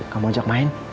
kamu ajak main